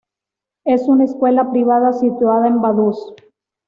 Es una escuela privada situada en Vaduz.